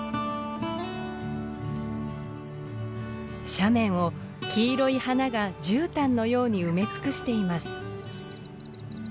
斜面を黄色い花がじゅうたんのように埋め尽くしています。